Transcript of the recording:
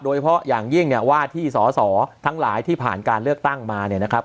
โดยเฉพาะอย่างยิ่งเนี่ยว่าที่สอสอทั้งหลายที่ผ่านการเลือกตั้งมาเนี่ยนะครับ